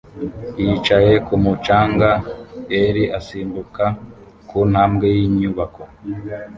Yicaye kumu canga er asimbuka kuntambwe yinyubako